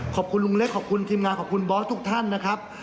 ขอบคุณลุงเล็กขอบคุณทีมงานขอบคุณบอสทุกท่านนะครับ